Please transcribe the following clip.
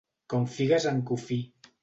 Com figues en cofí.